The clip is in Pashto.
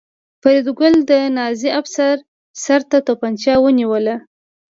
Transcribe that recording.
فریدګل د نازي افسر سر ته توپانچه ونیوله